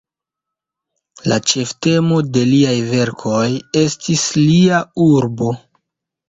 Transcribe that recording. La ĉeftemo de liaj verkoj estis lia urbo.